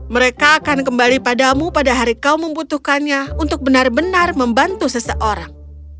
mereka akan kembali padamu pada hari kau membutuhkannya untuk benar benar membantu seseorang